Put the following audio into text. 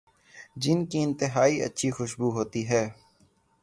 جن کی انتہائی اچھی خوشبو ہوتی ہے